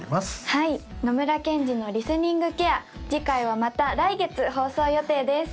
はい野村ケンジのリスニングケア次回はまた来月放送予定です